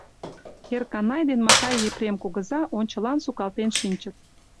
Эрканай ден Макай Епрем кугыза ончылан сукалтен шинчыт.